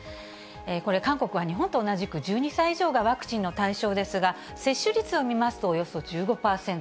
これ、韓国は日本と同じく１２歳以上がワクチンの対象ですが、接種率を見ますと、およそ１５％。